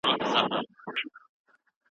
الله تعالی ته توکل وکړئ.